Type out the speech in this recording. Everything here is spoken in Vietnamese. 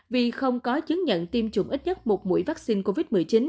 vì không có chứng nhận tiêm chủng ít nhất một mũi vaccine covid một mươi chín